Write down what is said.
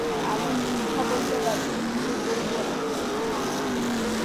আমি মিথ্যা বলতে পারি কিন্তু বলব না।